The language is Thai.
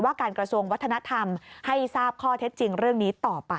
การกระทรวงวัฒนธรรมให้ทราบข้อเท็จจริงเรื่องนี้ต่อไป